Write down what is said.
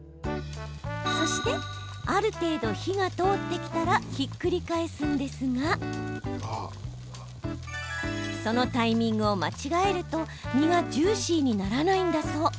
そしてある程度、火が通ってきたらひっくり返すんですがそのタイミングを間違えると身がジューシーにならないんだそう。